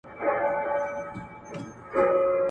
په «پت » پلورونکو ښخو به يې کار نه درلودی